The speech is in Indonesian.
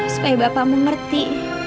supaya bapak mengerti